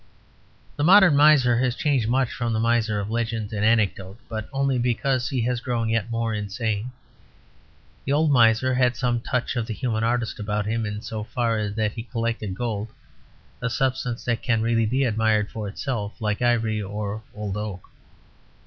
The modern miser has changed much from the miser of legend and anecdote; but only because he has grown yet more insane. The old miser had some touch of the human artist about him in so far that he collected gold a substance that can really be admired for itself, like ivory or old oak.